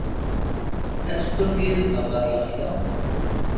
Ad teddum yid-neɣ ɣer lexla?